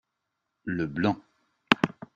le blanc.